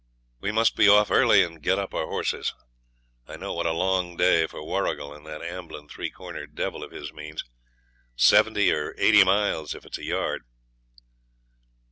We must be off early and get up our horses. I know what a long day for Warrigal and that ambling three cornered devil of his means seventy or eighty miles, if it's a yard.'